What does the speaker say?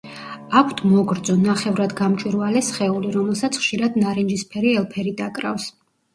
აქვთ მოგრძო, ნახევრადგამჭვირვალე სხეული, რომელსაც ხშირად ნარინჯისფერი ელფერი დაკრავს.